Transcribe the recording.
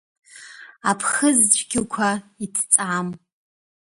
Аԥхыӡ цәгьақәа, иҭҵаам.